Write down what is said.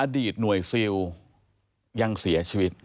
อดีตหน่วยซิลยังเสียชีวิต